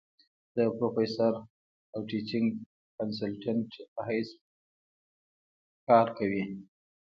د پروفيسر او ټيچنګ کنسلټنټ پۀ حېث يت کار کوي ۔